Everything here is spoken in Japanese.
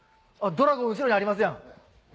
ドラゴン後ろにありますやん！